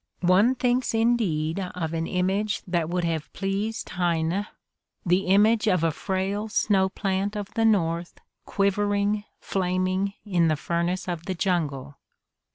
One thinks in 32 The Ordeal of Mark Twain deed of an image that would have pleased Heine, the image of a frail snow plant of the North quivering, flaming in the furnace of the jungle.